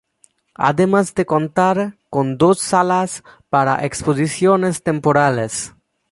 Además de contar con dos salas para exposiciones temporales.